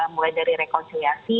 mulai dari rekonfiliasi